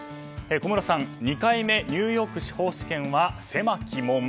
小室さん２回目ニューヨーク司法試験は狭き門？